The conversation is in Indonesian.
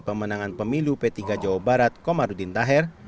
pemenangan pemilu p tiga jawa barat komarudin taher